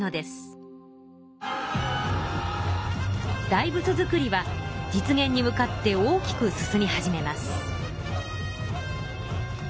大仏造りは実現に向かって大きく進み始めます。